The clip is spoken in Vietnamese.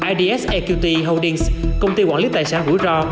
ids equity holdings công ty quản lý tài sản hủy ro